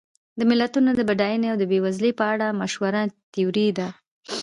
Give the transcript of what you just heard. د ملتونو د بډاینې او بېوزلۍ په اړه مشهوره تیوري ده.